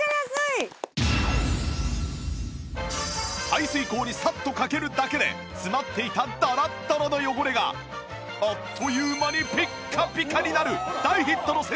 排水口にサッとかけるだけで詰まっていたドロッドロの汚れがあっという間にピッカピカになる大ヒットの洗剤が登場！